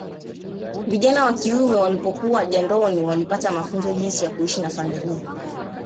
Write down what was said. Vijana wa kiume walipokuwa jandoni walipata mafunzo jinsi ya kuishi na familia